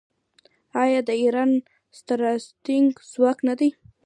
آیا دا د ایران ستراتیژیک ځواک نه دی؟